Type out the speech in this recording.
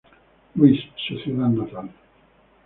Louis, su ciudad natal.